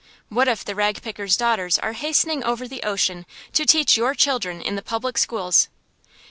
What if the ragpicker's daughters are hastening over the ocean to teach your children in the public schools?